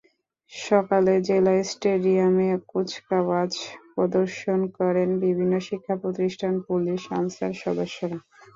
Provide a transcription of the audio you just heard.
সকালে জেলা স্টেডিয়ামে কুচকাওয়াজ প্রদর্শন করেন বিভিন্ন শিক্ষাপ্রতিষ্ঠান, পুলিশ, আনসার সদস্যরা।